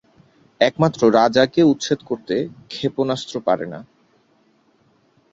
একমাত্র রাজাকে উচ্ছেদ করতে ক্ষেপণাস্ত্র পারে না।